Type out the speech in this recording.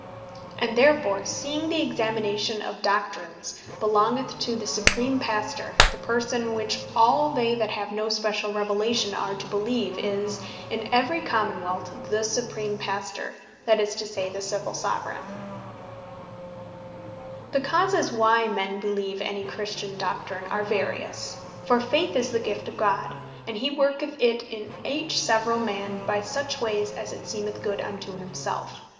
And therefore, seeing the Examination of Doctrines belongeth to the Supreme Pastor, the Person which all they that have no speciall revelation are to beleeve, is (in every Common wealth) the Supreme Pastor, that is to say, the Civill Soveraigne. The Causes Of Christian Faith The causes why men beleeve any Christian Doctrine, are various; For Faith is the gift of God; and he worketh it in each severall man, by such wayes, as it seemeth good unto himself.